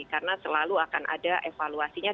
karena selalu akan ada evaluasinya